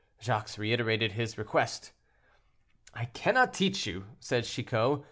Jacques reiterated his request. "I cannot teach you," said Chicot.